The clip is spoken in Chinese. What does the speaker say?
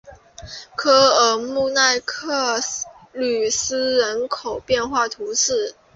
科尔姆埃克吕斯人口变化图示